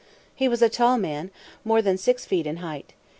He was a tall man more than six feet in height.